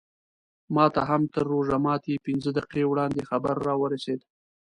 ماته هم تر روژه ماتي پینځه دقیقې وړاندې خبر راورسېد.